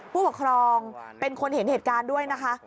ผู้ปกครองเป็นคนเห็นเหตุการณ์ด้วยนะคะ